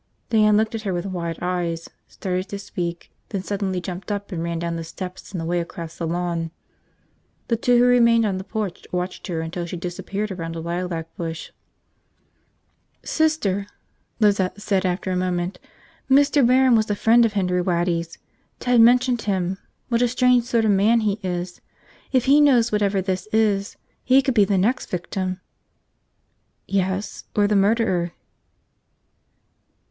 Diane looked at her with wide eyes, started to speak, then suddenly jumped up and ran down the steps and away across the lawn. The two who remained on the porch watched her until she disappeared around a lilac bush. "Sister," Lizette said after a moment, "Mr. Barron was a friend of Henry Waddy's. Ted mentioned him, what a strange sort of man he is. If he knows whatever this is, he could be the next victim." "Yes. Or the murderer."